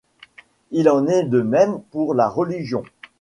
Il en est de même pour la religion.